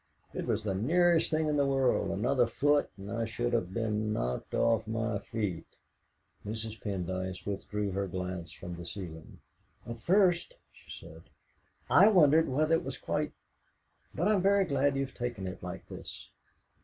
It was the nearest thing in the world; another foot and I should have been knocked off my feet!" Mrs. Pendyce withdrew her glance from the ceiling. "At first," she said, "I wondered whether it was quite but I'm very glad you've taken it like this."